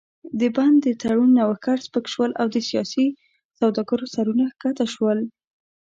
د بن د تړون نوښتګر سپک شول او د سیاسي سوداګرو سرونه ښکته شول.